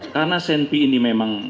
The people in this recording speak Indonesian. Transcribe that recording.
karena senpi ini memang